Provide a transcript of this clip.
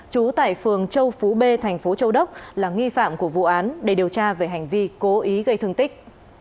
trú tại phường châu phú b thành phố châu đốc là nghi phạm của vụ án để điều tra về hành vi cố ý gây thương tích